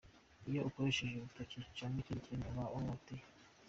" "iyo ukoresheje urutoke canke ikindi kintu uba uhohoteye.